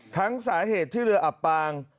สาเหตุที่เรืออับปาง